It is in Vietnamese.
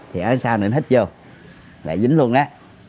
thì ở sau này nó hít vô lại dính luôn đó